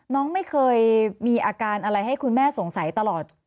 น้องไม่เคยมีอาการอะไรให้คุณแม่สงสัยตลอด